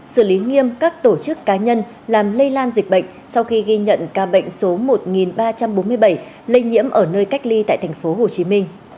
xử lý nghiêm các tổ chức cá nhân làm lây lan dịch bệnh sau khi ghi nhận ca bệnh số một ba trăm bốn mươi bảy lây nhiễm ở nơi cách ly tại tp hcm